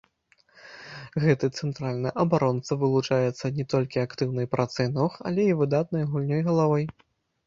Гэты цэнтральны абаронца вылучаецца не толькі актыўнай працай ног, але і выдатнай гульнёй галавой.